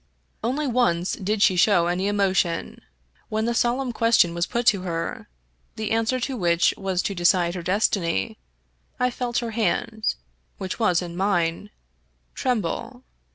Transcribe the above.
Once only did she show any emotion. When the solemn question was put to her, the answer to which was to decide her destiny, I felt her hand — ^which was in mine — ^tremble.